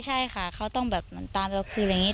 ใช่ค่ะเขาต้องตามไปกว่าคืนอย่างนี้